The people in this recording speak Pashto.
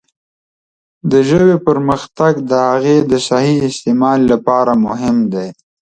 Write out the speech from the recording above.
د ژبې پرمختګ د هغې د صحیح استعمال لپاره مهم دی.